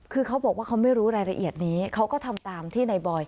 คือเขาบอกว่าเขาไม่รู้รายละเอียดนี้